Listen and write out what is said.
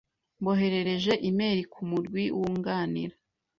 Mboherereje imeri kumurwi wunganira .